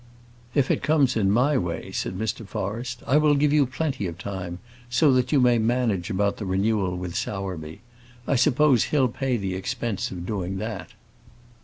"If it comes in my way," said Mr. Forrest, "I will give you plenty of time, so that you may manage about the renewal with Sowerby. I suppose he'll pay the expense of doing that."